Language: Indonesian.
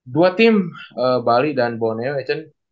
dua tim bali dan borneo ya cen